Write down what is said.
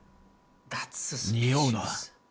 におうな。